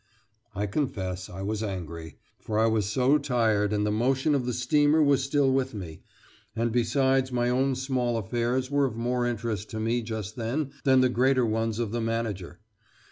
I confess I was angry, for I was so tired and the motion of the steamer was still with me, and besides my own small affairs were of more interest to me just then than the greater ones of the manager.